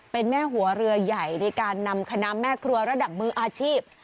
เป็นแม่หัวเรือใหญ่ในการนำคณะแม่ครัวระดับมืออาชีพ